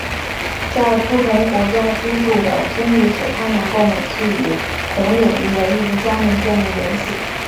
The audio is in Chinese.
在不同国家居住的经历使他能够每次与同领域的艺术家们建立联系。